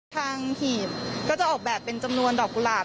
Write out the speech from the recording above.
หีบก็จะออกแบบเป็นจำนวนดอกกุหลาบ